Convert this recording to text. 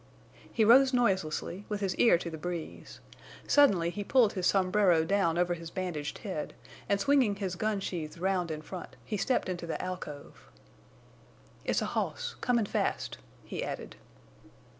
He rose noiselessly, with his ear to the breeze. Suddenly he pulled his sombrero down over his bandaged head and, swinging his gun sheaths round in front, he stepped into the alcove. "It's a hoss—comin' fast," he added.